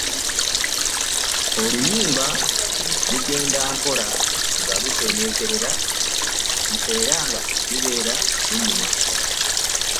Oluyimba lugenda mpola nga lusenenkerera era lubera lunyuma .